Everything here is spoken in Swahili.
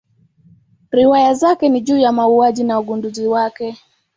Riwaya zake ni juu ya mauaji na ugunduzi wake.